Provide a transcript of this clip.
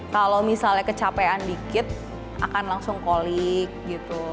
kalau misalnya kecapean dikit akan langsung colik gitu